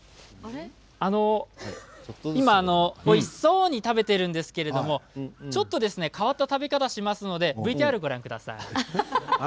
今、おいしそうに食べているんですけれどちょっと変わった食べ方をしますのでＶＴＲをご覧ください。